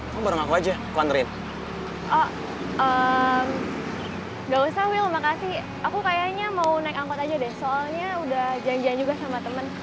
siapa yang bawa siapa nih ya